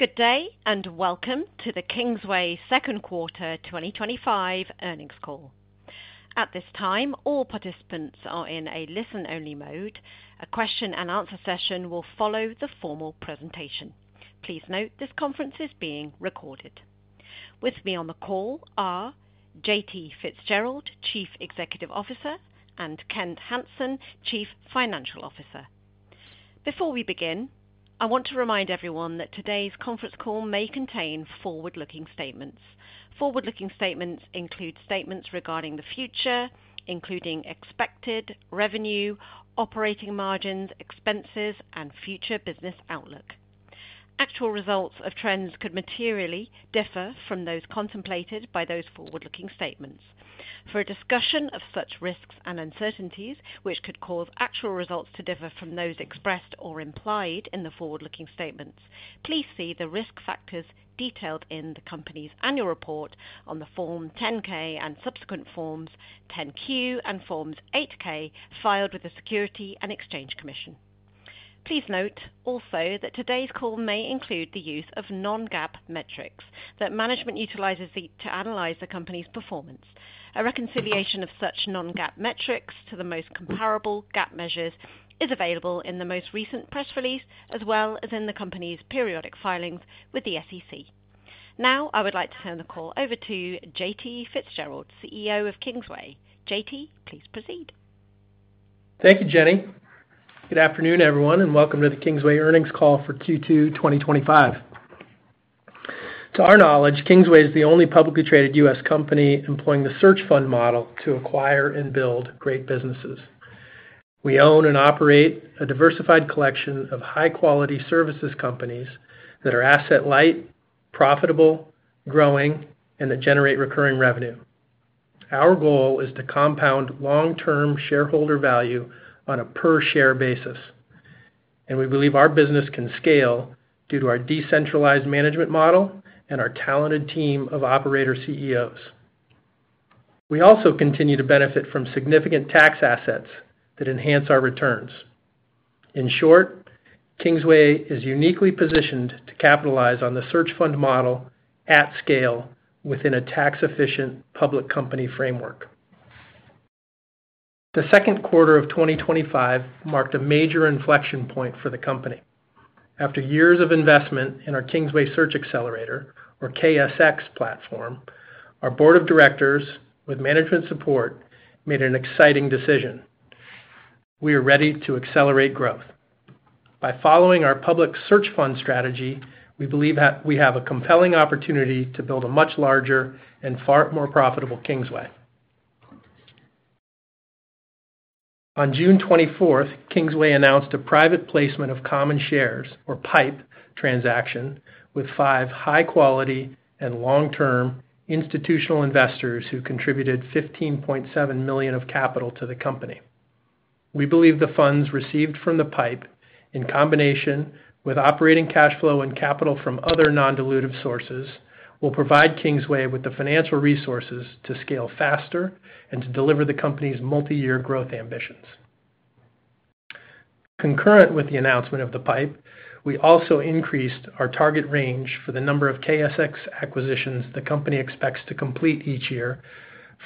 Good day and welcome to the Kingsway Second Quarter 2025 Earnings Call. At this time, all participants are in a listen-only mode. A question-and-answer session will follow the formal presentation. Please note this conference is being recorded. With me on the call are J.T. Fitzgerald, Chief Executive Officer, and Kent Hansen, Chief Financial Officer. Before we begin, I want to remind everyone that today's conference call may contain forward-looking statements. Forward-looking statements include statements regarding the future, including expected revenue, operating margins, expenses, and future business outlook. Actual results or trends could materially differ from those contemplated by those forward-looking statements. For a discussion of such risks and uncertainties, which could cause actual results to differ from those expressed or implied in the forward-looking statements, please see the risk factors detailed in the company's annual report on the Form 10-K and subsequent Forms 10-Q and Forms 8-K filed with the Securities and Exchange Commission. Please note also that today's call may include the use of non-GAAP metrics that management utilizes to analyze the company's performance. A reconciliation of such non-GAAP metrics to the most comparable GAAP measures is available in the most recent press release, as well as in the company's periodic filings with the SEC. Now, I would like to hand the call over to J.T. Fitzgerald, CEO of Kingsway. J.T. please proceed. Thank you, Jenny. Good afternoon, everyone, and welcome to the Kingsway Earnings Call For Q2 2025. To our knowledge, Kingsway is the only publicly traded U.S. company employing the search fund model to acquire and build great businesses. We own and operate a diversified collection of high-quality services companies that are asset-light, profitable, growing, and that generate recurring-revenue. Our goal is to compound long-term shareholder value on a per-share basis, and we believe our business can scale due to our decentralized management model and our talented team of operator CEOs. We also continue to benefit from significant tax assets that enhance our returns. In short, Kingsway is uniquely positioned to capitalize on the search fund model at scale within a tax-efficient public company framework. The second quarter of 2025 marked a major inflection point for the company. After years of investment in our Kingsway Search Accelerator, or KSX platform, our Board of Directors, with management support, made an exciting decision. We are ready to accelerate growth. By following our public search fund strategy, we believe we have a compelling opportunity to build a much larger and far more profitable Kingsway. On June 24th, Kingsway announced a private placement of common shares, or PIPE, transaction with five high-quality and long-term institutional investors who contributed $15.7 million of capital to the company. We believe the funds received from the PIPE, in combination with operating cash flow and capital from other non-dilutive sources, will provide Kingsway with the financial resources to scale faster and to deliver the company's multi-year growth ambitions. Concurrent with the announcement of the PIPE, we also increased our target range for the number of KSX acquisitions the company expects to complete each year,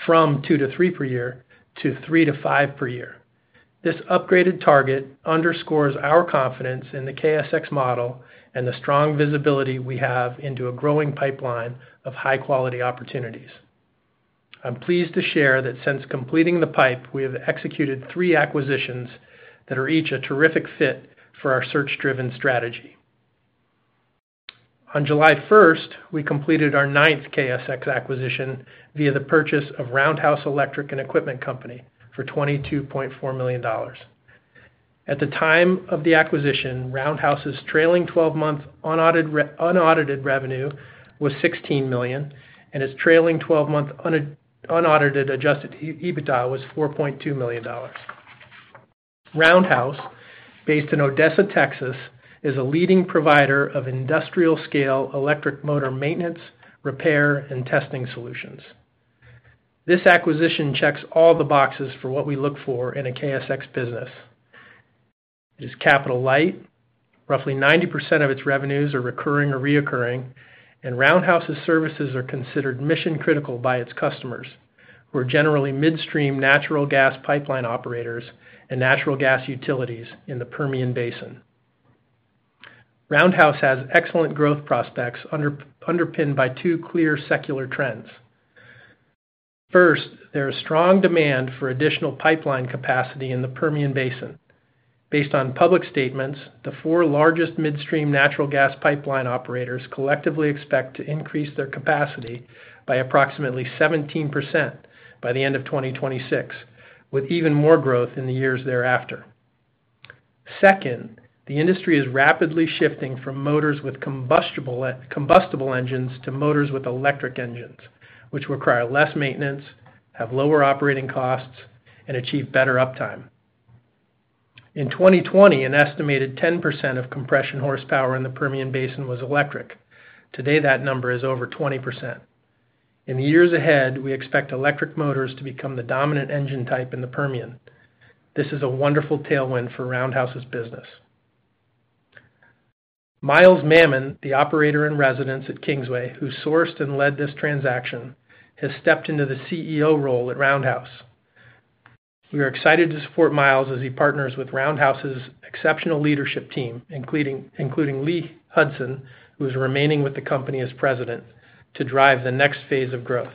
from two to three per year to three to five per year. This upgraded target underscores our confidence in the KSX model and the strong visibility we have into a growing pipeline of high-quality opportunities. I'm pleased to share that since completing the PIPE, we have executed three acquisitions that are each a terrific fit for our search-driven strategy. On July 1st, we completed our ninth KSX acquisition via the purchase of Roundhouse Electric & Equipment Co for $22.4 million. At the time of the acquisition, Roundhouse's trailing 12-month unaudited revenue was $16 million, and its trailing 12-month unaudited adjusted EBITDA was $4.2 million. Roundhouse, based in Odessa, Texas, is a leading provider of industrial-scale electric motor maintenance, repair, and testing solutions. This acquisition checks all the boxes for what we look for in a KSX business. It is asset-light, roughly 90% of its revenues are recurring, and Roundhouse's services are considered mission-critical by its customers, who are generally midstream natural gas pipeline operators and natural gas utilities in the Permian Basin. Roundhouse has excellent growth prospects underpinned by two clear secular trends. First, there is strong demand for additional pipeline capacity in the Permian Basin. Based on public statements, the four largest midstream natural gas pipeline operators collectively expect to increase their capacity by approximately 17% by the end of 2026, with even more growth in the years thereafter. Second, the industry is rapidly shifting from motors with combustible engines to motors with electric engines, which require less maintenance, have lower operating costs, and achieve better uptime. In 2020, an estimated 10% of compression horsepower in the Permian Basin was electric. Today, that number is over 20%. In the years ahead, we expect electric motors to become the dominant engine type in the Permian. This is a wonderful tailwind for Roundhouse's business. Miles Mamon, the Operator-in-Residence at Kingsway, who sourced and led this transaction, has stepped into the CEO role at Roundhouse. We are excited to support Miles as he partners with Roundhouse's exceptional leadership team, including Lee Hudson, who is remaining with the company as President, to drive the next phase of growth.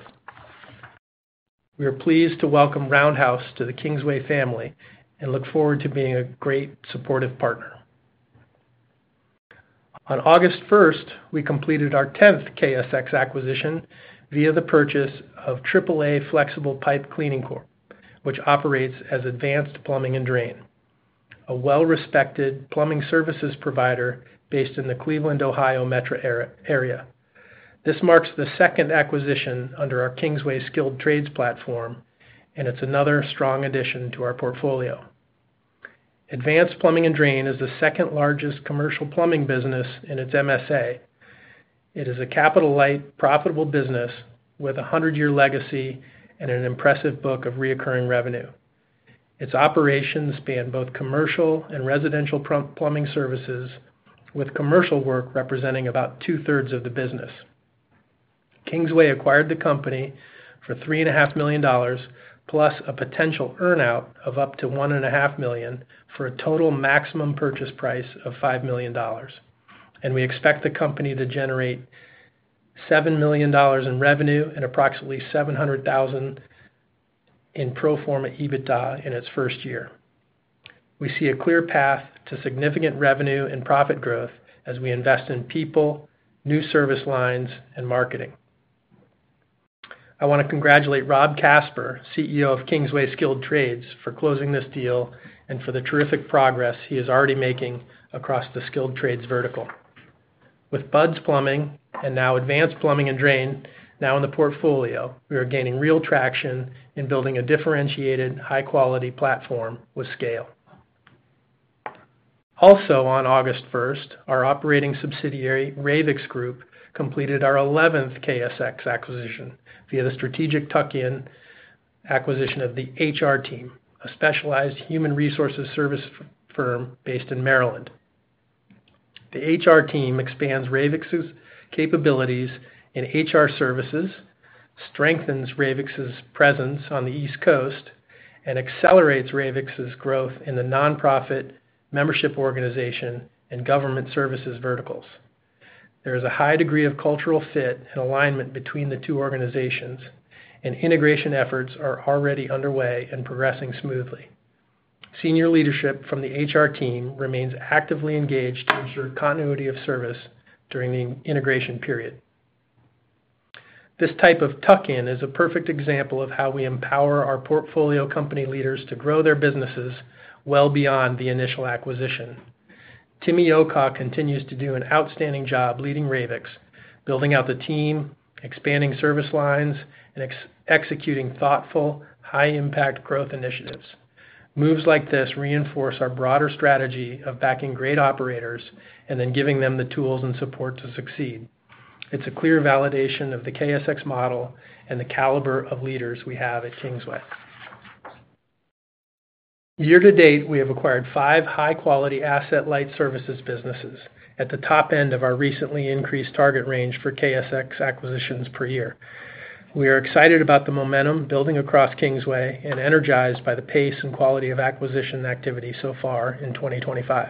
We are pleased to welcome Roundhouse to the Kingsway family and look forward to being a great supportive partner. On August 1st, we completed our 10th KSX acquisition via the purchase of AAA Flexible Pipe Cleaning Corp, which operates as Advanced Plumbing & Drain, a well-respected plumbing services provider based in the Cleveland, Ohio metro area. This marks the second acquisition under our Kingsway Skilled Trades platform, and it's another strong addition to our portfolio. Advanced Plumbing & Drain is the second largest commercial plumbing business in its MSA. It is a capital light, profitable business with a 100-year legacy and an impressive book of recurring revenue. Its operations span both commercial and residential plumbing services, with commercial work representing about two-thirds of the business. Kingsway acquired the company for $3.5 million, plus a potential earnout of up to $1.5 million for a total maximum purchase price of $5 million. We expect the company to generate $7 million in revenue and approximately $700,000 in pro forma EBITDA in its first year. We see a clear path to significant revenue and profit growth as we invest in people, new service lines, and marketing. I want to congratulate Rob Casper, CEO of Kingsway Skilled Trades, for closing this deal and for the terrific progress he is already making across the Skilled Trades vertical. With Bud's Plumbing and now Advanced Plumbing & Drain in the portfolio, we are gaining real traction in building a differentiated, high-quality platform with scale. Also, on August 1st, our operating subsidiary, Ravix Group, completed our 11th KSX acquisition via the strategic tuck-in acquisition of the HR Team, a specialized human resources services firm based in Maryland. The HR Team expands Ravix's capabilities in HR services, strengthens Ravix's presence on the East Coast, and accelerates Ravix's growth in the nonprofit membership organization and government services verticals. There is a high degree of cultural fit and alignment between the two organizations, and integration efforts are already underway and progressing smoothly. Senior leadership from the HR Team remains actively engaged to ensure continuity of service during the integration period. This type of tuck-in is a perfect example of how we empower our portfolio company leaders to grow their businesses well beyond the initial acquisition. Timi Okah continues to do an outstanding job leading Ravix, building out the team, expanding service lines, and executing thoughtful, high-impact growth initiatives. Moves like this reinforce our broader strategy of backing great operators and then giving them the tools and support to succeed. It's a clear validation of the KSX model and the caliber of leaders we have at Kingsway. Year-to-date, we have acquired five high-quality asset-light services businesses at the top end of our recently increased target range for KSX acquisitions per year. We are excited about the momentum building across Kingsway and energized by the pace and quality of acquisition activity so far in 2025.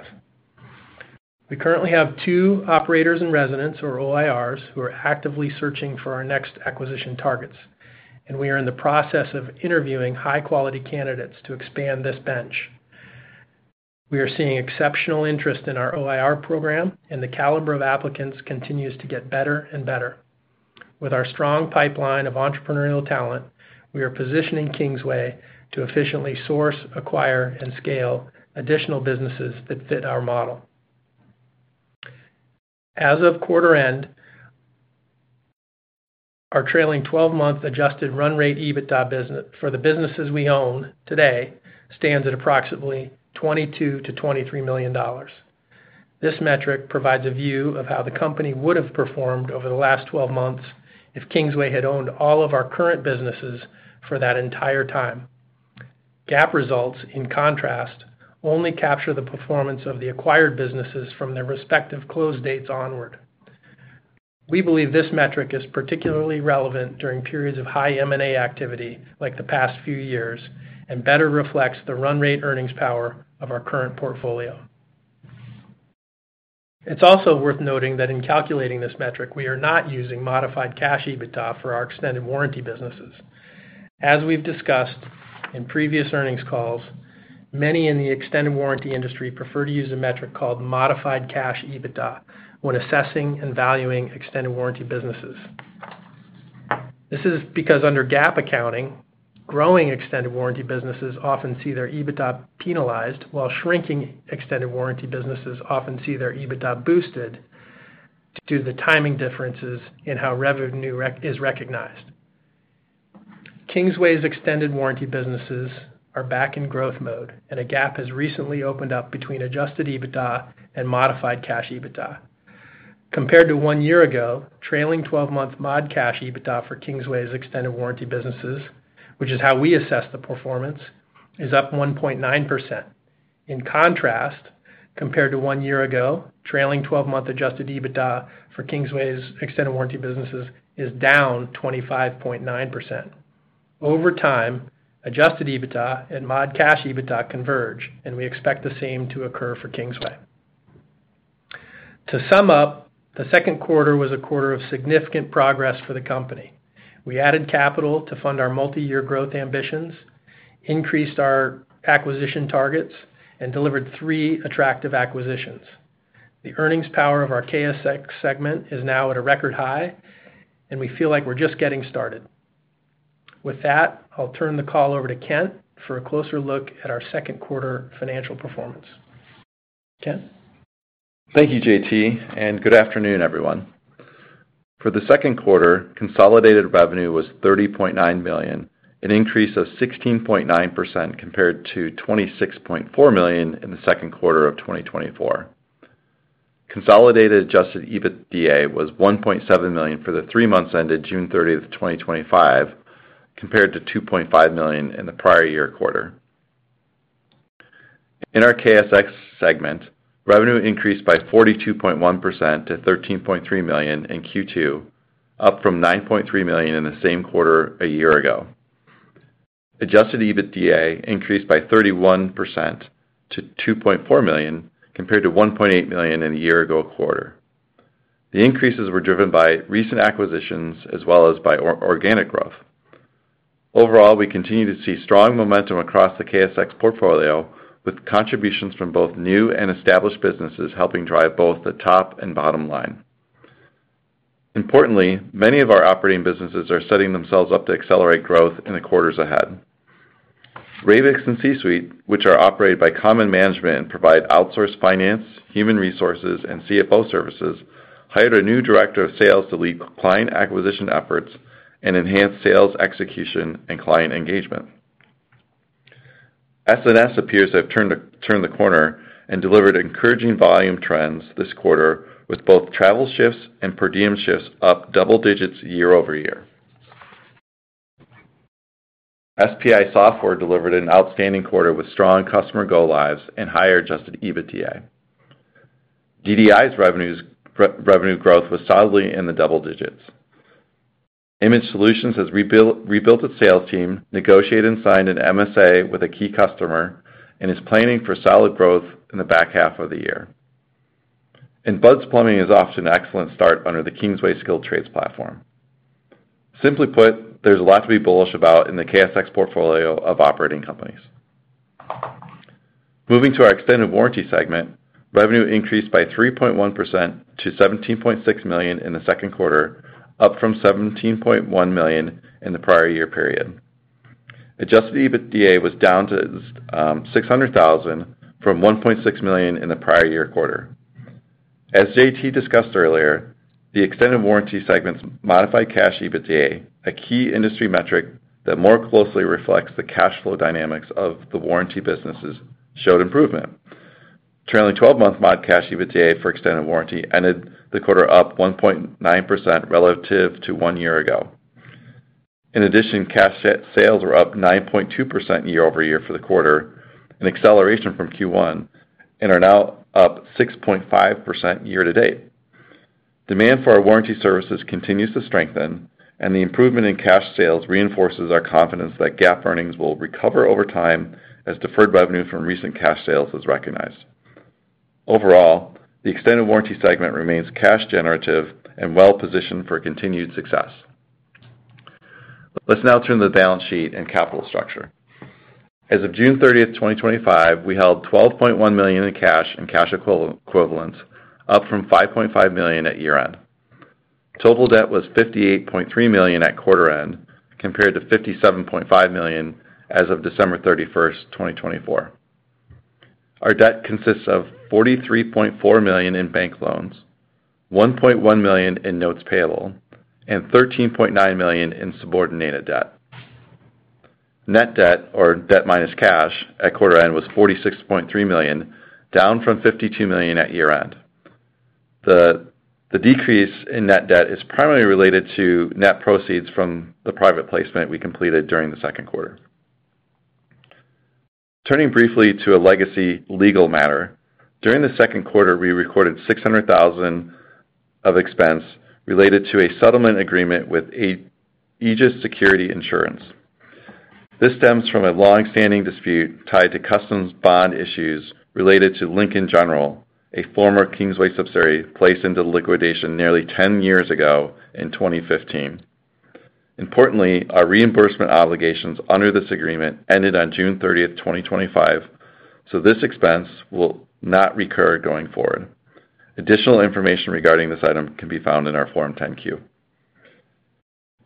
We currently have two Operators-in-Residence, or OIRs, who are actively searching for our next acquisition targets, and we are in the process of interviewing high-quality candidates to expand this bench. We are seeing exceptional interest in our OIR program, and the caliber of applicants continues to get better and better. With our strong pipeline of entrepreneurial talent, we are positioning Kingsway to efficiently source, acquire, and scale additional businesses that fit our model. As of quarter end, our trailing 12-month adjusted run rate EBITDA for the businesses we own today stands at approximately $22 million-$23 million. This metric provides a view of how the company would have performed over the last 12 months if Kingsway had owned all of our current businesses for that entire time. GAAP results, in contrast, only capture the performance of the acquired businesses from their respective close dates onward. We believe this metric is particularly relevant during periods of high M&A activity like the past few years and better reflects the run rate earnings power of our current portfolio. It's also worth noting that in calculating this metric, we are not using modified cash EBITDA for our extended warranty businesses. As we've discussed in previous earnings calls, many in the extended warranty industry prefer to use a metric called modified cash EBITDA when assessing and valuing extended warranty businesses. This is because under GAAP accounting, growing extended warranty businesses often see their EBITDA penalized, while shrinking extended warranty businesses often see their EBITDA boosted due to the timing differences in how revenue is recognized. Kingsway's extended warranty businesses are back in growth mode, and a gap has recently opened up between adjusted EBITDA and modified cash EBITDA. Compared to one year ago, trailing 12-month mod cash EBITDA for Kingsway's extended warranty businesses, which is how we assess the performance, is up 1.9%. In contrast, compared to one year ago, trailing 12-month adjusted EBITDA for Kingsway's extended warranty businesses is down 25.9%. Over time, adjusted EBITDA and mod cash EBITDA converge, and we expect the same to occur for Kingsway. To sum up, the second quarter was a quarter of significant progress for the company. We added capital to fund our multi-year growth ambitions, increased our acquisition targets, and delivered three attractive acquisitions. The earnings power of our KSX segment is now at a record high, and we feel like we're just getting started. With that, I'll turn the call over to Kent for a closer look at our second quarter financial performance. Kent? Thank you, J.T., and good afternoon, everyone. For the second quarter, consolidated revenue was $30.9 million, an increase of 16.9% compared to $26.4 million in the second quarter of 2024. Consolidated adjusted EBITDA was $1.7 million for the three months ended June 30th, 2025, compared to $2.5 million in the prior year quarter. In our KSX segment, revenue increased by 42.1% to $13.3 million in Q2, up from $9.3 million in the same quarter a year ago. Adjusted EBITDA increased by 31% to $2.4 million compared to $1.8 million in a year ago quarter. The increases were driven by recent acquisitions as well as by organic growth. Overall, we continue to see strong momentum across the KSX portfolio with contributions from both new and established businesses helping drive both the top and bottom line. Importantly, many of our operating businesses are setting themselves up to accelerate growth in the quarters ahead. Ravix and C-Suite, which are operated by common management and provide outsourced finance, human resources, and CFO services, hired a new Director of Sales to lead client acquisition efforts and enhance sales execution and client engagement. S and S appears to have turned the corner and delivered encouraging volume trends this quarter with both travel shifts and per diem shifts up double digits year-over-year. SPI Software delivered an outstanding quarter with strong customer go-lives and higher adjusted EBITDA. DDI's revenue growth was solidly in the double digits. Image Solutions has rebuilt its sales team, negotiated and signed an MSA with a key customer, and is planning for solid growth in the back half of the year. Buds Plumbing is off to an excellent start under the Kingsway Skilled Trades platform. Simply put, there's a lot to be bullish about in the KSX portfolio of operating companies. Moving to our extended warranty segment, revenue increased by 3.1% to $17.6 million in the second quarter, up from $17.1 million in the prior year period. Adjusted EBITDA was down to $600,000 from $1.6 million in the prior year quarter. As J.T. discussed earlier, the extended warranty segment's modified cash EBITDA, a key industry metric that more closely reflects the cash flow dynamics of the warranty businesses, showed improvement. Trailing 12-month mod cash EBITDA for extended warranty ended the quarter up 1.9% relative to one year ago. In addition, cash sales were up 9.2% year-over-year for the quarter, an acceleration from Q1, and are now up 6.5% year-to-date. Demand for our warranty services continues to strengthen, and the improvement in cash sales reinforces our confidence that GAAP earnings will recover over time as deferred revenue from recent cash sales is recognized. Overall, the extended warranty segment remains cash generative and well-positioned for continued success. Let's now turn to the balance sheet and capital structure. As of June 30th, 2025, we held $12.1 million in cash and cash equivalents, up from $5.5 million at year end. Total debt was $58.3 million at quarter end, compared to $57.5 million as of December 31st, 2024. Our debt consists of $43.4 million in bank loans, $1.1 million in notes payable, and $13.9 million in subordinated debt. Net debt, or debt minus cash, at quarter end was $46.3 million, down from $52 million at year end. The decrease in net debt is primarily related to net proceeds from the private placement we completed during the second quarter. Turning briefly to a legacy legal matter, during the second quarter, we recorded $600,000 of expense related to a settlement agreement with Aegis Security Insurance. This stems from a longstanding dispute tied to customs bond issues related to Lincoln General, a former Kingsway subsidiary placed into liquidation nearly 10 years ago in 2015. Importantly, our reimbursement obligations under this agreement ended on June 30th, 2025, so this expense will not recur going forward. Additional information regarding this item can be found in our Form 10-Q.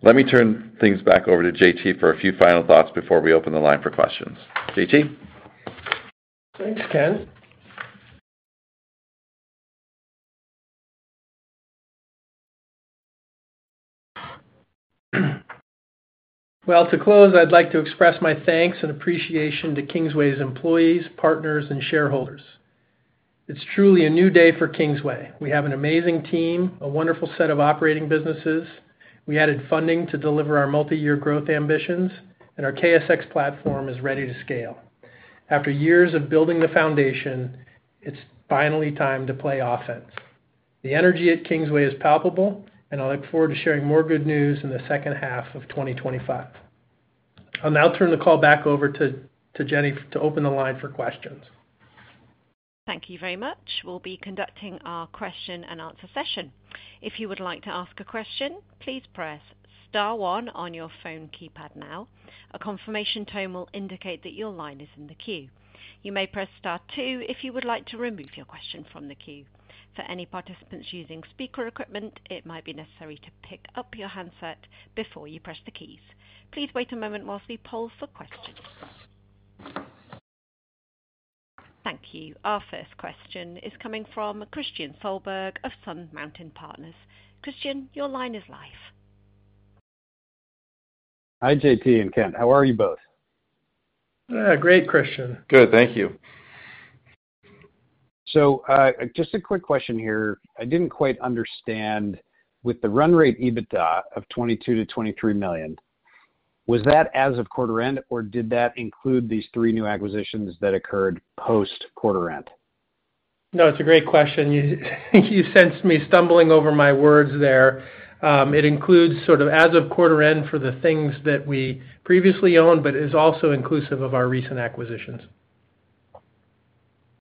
Let me turn things back over to J.T. for a few final thoughts before we open the line for questions. JT? Thanks, Kent. To close, I'd like to express my thanks and appreciation to Kingsway's employees, partners, and shareholders. It's truly a new day for Kingsway. We have an amazing team, a wonderful set of operating businesses. We added funding to deliver our multi-year growth ambitions, and our KSX platform is ready to scale. After years of building the foundation, it's finally time to play offense. The energy at Kingsway is palpable, and I look forward to sharing more good news in the second half of 2025. I'll now turn the call back over to Jenny to open the line for questions. Thank you very much. We'll be conducting our question-and-answer session. If you would like to ask a question, please press star one on your phone keypad now. A confirmation tone will indicate that your line is in the queue. You may press star two if you would like to remove your question from the queue. For any participants using speaker equipment, it might be necessary to pick up your handset before you press the keys. Please wait a moment while we poll for questions. Thank you. Our first question is coming from Christian Solberg of Sun Mountain Partners. Christian, your line is live. Hi, JT and Kent. How are you both? Yeah, great, Christian. Good, thank you. Just a quick question here. I didn't quite understand, with the run rate EBITDA of $22 million, $23 million, was that as of quarter end, or did that include these three new acquisitions that occurred post quarter end? It's a great question. You sensed me stumbling over my words there. It includes sort of as of quarter end for the things that we previously owned, but is also inclusive of our recent acquisitions.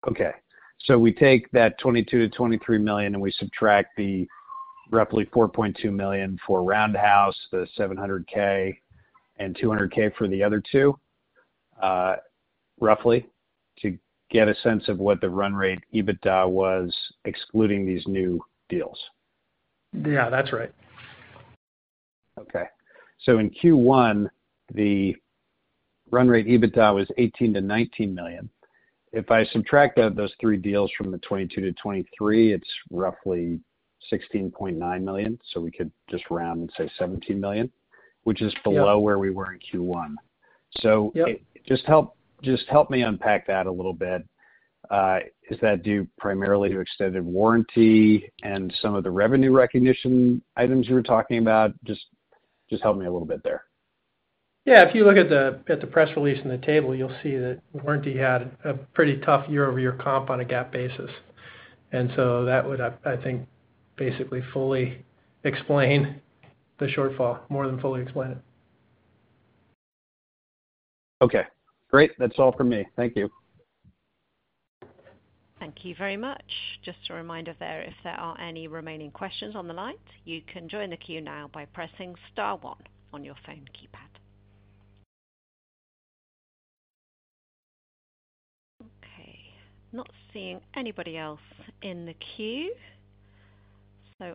Okay. We take that $22 million, $23 million and we subtract the roughly $4.2 million for Roundhouse, the $700,000, and $200,000 for the other two, roughly, to get a sense of what the run rate EBITDA was excluding these new deals. Yeah, that's right. Okay. In Q1, the run rate EBITDA was $18 million-$19 million. If I subtract those three deals from the $22 million-$23 million, it's roughly $16.9 million. We could just round and say $17 million, which is below where we were in Q1. Is that due primarily to extended warranty and some of the revenue recognition items you were talking about? Help me a little bit there. Yeah, if you look at the press release and the table, you'll see that warranty had a pretty tough year-over-year comp on a GAAP basis. That would, I think, basically fully explain the shortfall, more than fully explain it. Okay, great. That's all from me. Thank you. Thank you very much. Just a reminder, if there are any remaining questions on the line, you can join the queue now by pressing star one on your phone keypad. Not seeing anybody else in the queue,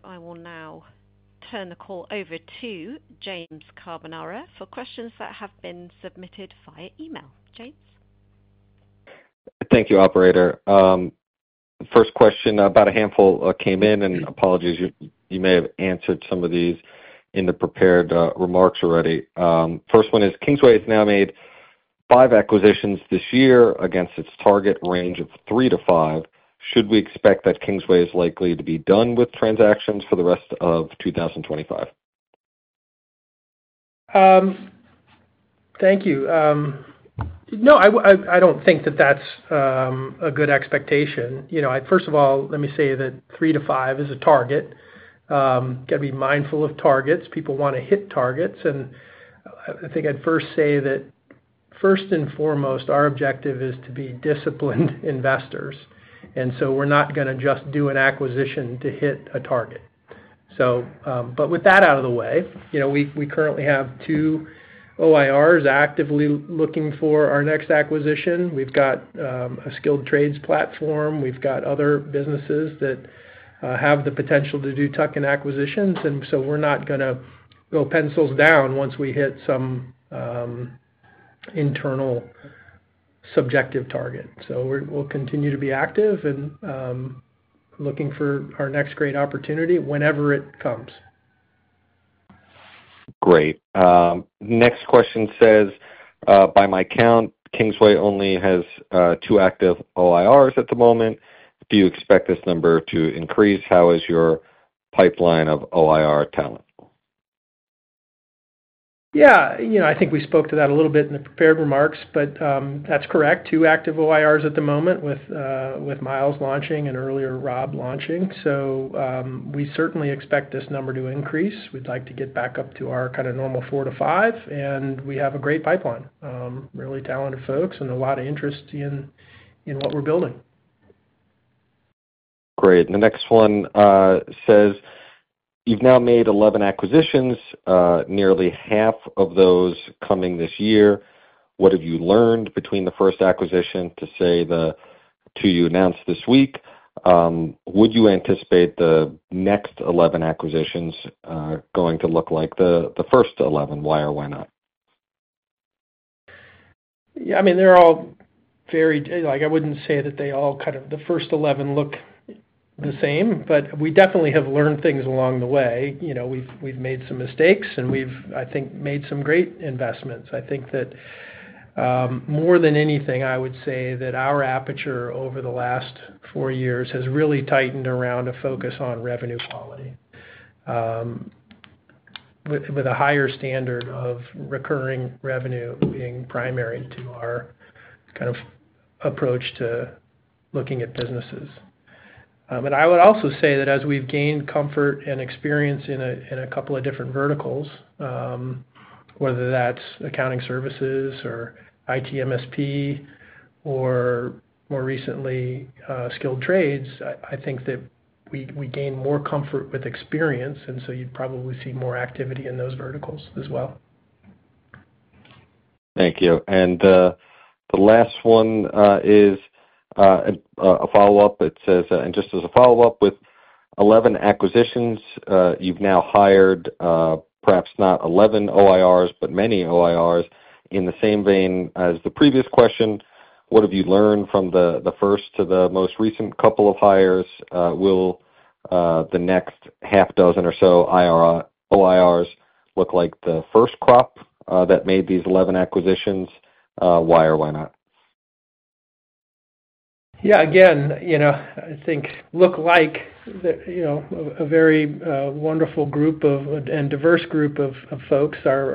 I will now turn the call over to James Carbonara for questions that have been submitted via email. James. Thank you, operator. First question, about a handful came in, and apologies. You may have answered some of these in the prepared remarks already. First one is, Kingsway has now made five acquisitions this year against its target range of three to five. Should we expect that Kingsway is likely to be done with transactions for the rest of 2025? Thank you. No, I don't think that that's a good expectation. First of all, let me say that three to five is a target. Got to be mindful of targets. People want to hit targets. I think I'd first say that first and foremost, our objective is to be disciplined investors. We're not going to just do an acquisition to hit a target. With that out of the way, we currently have two OIRs actively looking for our next acquisition. We've got a skilled trades platform. We've got other businesses that have the potential to do tuck-in acquisitions. We're not going to go pencils down once we hit some internal subjective target. We'll continue to be active and looking for our next great opportunity whenever it comes. Great. Next question says, by my count, Kingsway only has two active OIRs at the moment. Do you expect this number to increase? How is your pipeline of OIR talent? Yeah, you know, I think we spoke to that a little bit in the prepared remarks, but that's correct. Two active OIRs at the moment with Miles launching and earlier Rob launching. We certainly expect this number to increase. We'd like to get back up to our kind of normal four to five, and we have a great pipeline, really talented folks, and a lot of interest in what we're building. Great. The next one says, you've now made 11 acquisitions, nearly half of those coming this year. What have you learned between the first acquisition to say the two you announced this week? Would you anticipate the next 11 acquisitions going to look like the first 11? Why or why not? Yeah, I mean, they're all very, like, I wouldn't say that they all kind of, the first 11 look the same, but we definitely have learned things along the way. We've made some mistakes and we've, I think, made some great investments. More than anything, I would say that our aperture over the last four years has really tightened around a focus on revenue quality with a higher standard of recurring-revenue being primary to our kind of approach to looking at businesses. I would also say that as we've gained comfort and experience in a couple of different verticals, whether that's accounting services or ITMSP or more recently skilled trades, I think that we gain more comfort with experience. You'd probably see more activity in those verticals as well. Thank you. The last one is a follow-up. It says, just as a follow-up, with 11 acquisitions, you've now hired perhaps not 11 OIRs, but many OIRs. In the same vein as the previous question, what have you learned from the first to the most recent couple of hires? Will the next half dozen or so OIRs look like the first crop that made these 11 acquisitions? Why or why not? Yeah, again, I think it looked like a very wonderful and diverse group of folks, all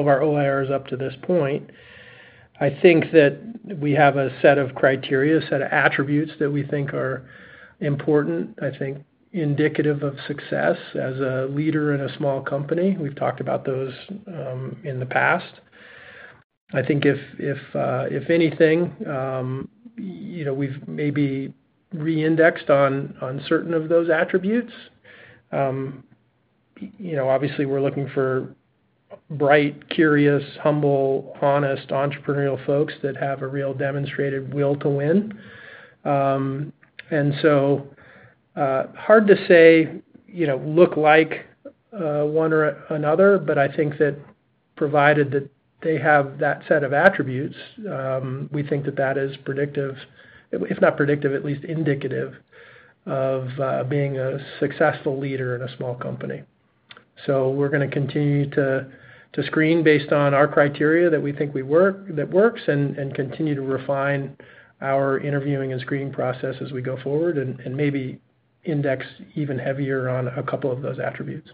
of our OIRs up to this point. I think that we have a set of criteria, a set of attributes that we think are important, indicative of success as a leader in a small company. We've talked about those in the past. If anything, we've maybe re-indexed on certain of those attributes. Obviously, we're looking for bright, curious, humble, honest, entrepreneurial folks that have a real demonstrated will to win. It's hard to say they look like one or another, but I think that provided they have that set of attributes, we think that is predictive, if not predictive, at least indicative of being a successful leader in a small company. We're going to continue to screen based on our criteria that we think works and continue to refine our interviewing and screening process as we go forward and maybe index even heavier on a couple of those attributes.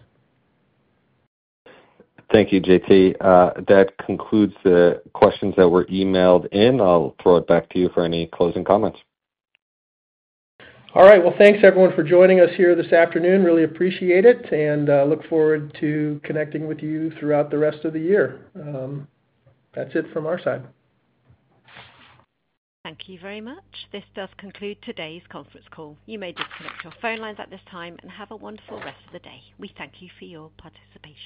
Thank you, J.T. That concludes the questions that were emailed in. I'll throw it back to you for any closing comments. All right, thanks everyone for joining us here this afternoon. Really appreciate it and look forward to connecting with you throughout the rest of the year. That's it from our side. Thank you very much. This does conclude today's conference call. You may disconnect your phone lines at this time and have a wonderful rest of the day. We thank you for your participation.